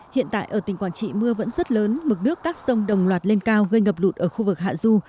hiện tại ở tỉnh quảng trị mưa vẫn rất lớn mực nước các sông đồng loạt lên cao gây ngập lụt ở khu vực hạ du